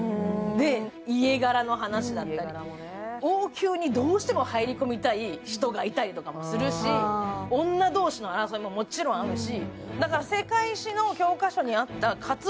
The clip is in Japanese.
家柄の話だったり、王宮にどうしても入り込みたい人がいたりもするし女同士の争いも、もちろんあるし。